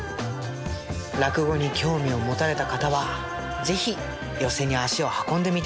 落語に興味を持たれた方は是非寄席に足を運んでみて下さい。